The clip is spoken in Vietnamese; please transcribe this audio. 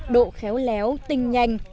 độ khéo léo tinh nhanh